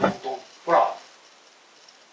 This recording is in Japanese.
ほら。